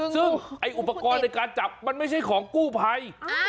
ซึ่งไอ้อุปกรณ์ในการจับมันไม่ใช่ของกู้ภัย